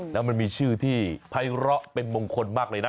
แล้วมันมีชื่อที่ภัยร้อเป็นมงคลมากเลยนะ